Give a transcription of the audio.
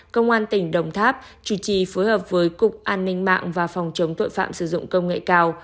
công an tỉnh đồng tháp chủ trì phối hợp với cục an ninh mạng và phòng chống tội phạm sử dụng công nghệ cao